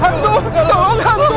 hantu tolong hantu